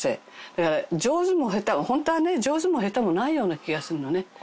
だから上手も下手もホントはね上手も下手もないような気がするのね。